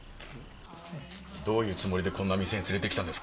どういうつもりでこんな店に連れてきたんです？